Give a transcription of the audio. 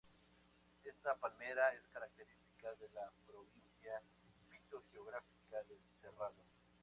Esta palmera es característica de la provincia fitogeográfica del cerrado.